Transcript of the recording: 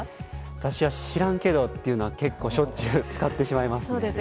私は「知らんけど」というのはしょっちゅう使ってしまいます。